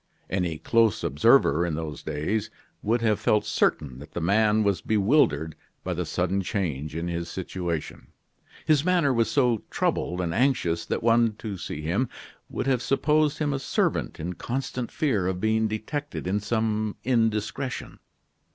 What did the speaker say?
Any close observer, in those days, would have felt certain that the man was bewildered by the sudden change in his situation. His manner was so troubled and anxious that one, to see him, would have supposed him a servant in constant fear of being detected in some indiscretion.